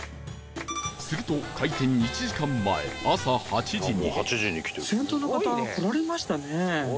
すると開店１時間前朝８時に